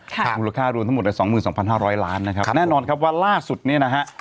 ค่ะมูลค่ารวมทั้งหมด๒๒๕๐๐ล้านนะครับแน่นอนครับว่าล่าสุดนี้นะฮะ